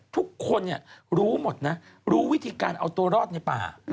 ทุกคนรู้หมดนะรู้วิธีการเอาตัวรอดในป่า